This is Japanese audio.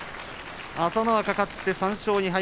朝乃若勝って、３勝２敗。